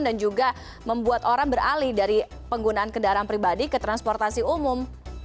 dan juga membuat orang beralih dari penggunaan kendaraan pribadi ke transportasi umum